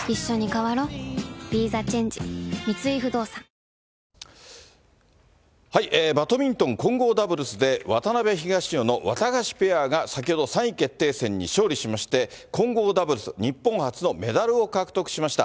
今大会、バドミントン混合ダブルスで、渡辺・東野のワタガシペアが先ほど、３位決定戦に勝利しまして、混合ダブルス日本初のメダルを獲得しました。